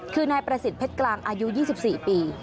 คือนายประสิทธิเพชรกลางอายุ๒๔ปี